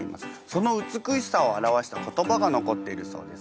その美しさを表した言葉が残っているそうです。